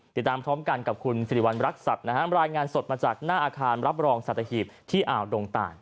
ติดตามพร้อมกันกับคุณสิริวัณรักษัตริย์นะฮะรายงานสดมาจากหน้าอาคารรับรองสัตหีบที่อ่าวดงตาน